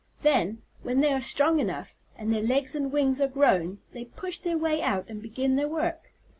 Then, when they are strong enough, and their legs and wings are grown, they push their way out and begin their work.